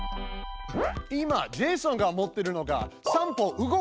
今ジェイソンがもってるのが「３歩動かす」命令です！